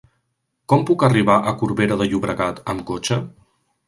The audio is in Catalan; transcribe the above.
Com puc arribar a Corbera de Llobregat amb cotxe?